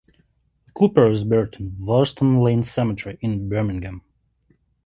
Cooper is buried at Warstone Lane Cemetery, in Birmingham.